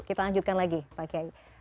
kita lanjutkan lagi pak kiai